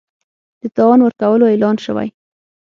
د تاوان ورکولو اعلان شوی